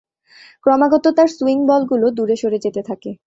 ক্রমাগত তার সুইং বলগুলো দূরে সরে যেতে থাকে।